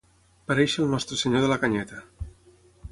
Parèixer el Nostre Senyor de la canyeta.